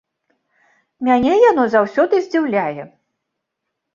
Мяне яно заўсёды здзіўляе.